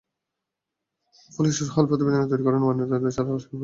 Police সুরতহাল প্রতিবেদন তৈরি করে ময়নাতদন্ত ছাড়াই লাশগুলো পরিবারের কাছে হস্তান্তর করে।